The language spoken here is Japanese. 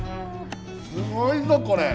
すごいぞこれ！